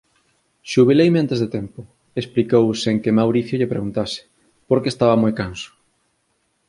Xubileime antes de tempo _explicou sen que Mauricio lle preguntase_ porque estaba moi canso.